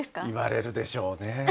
言われるでしょうね。